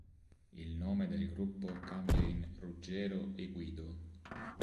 Il nome del gruppo cambia in "Ruggero e Guido".